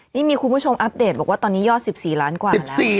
นี่มีคุณผู้ชมอัปเดตบอกว่าตอนนี้ยอด๑๔ล้านกว่าแล้ว